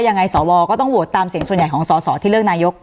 ยังไงสวก็ต้องโหวตตามเสียงส่วนใหญ่ของสอสอที่เลือกนายก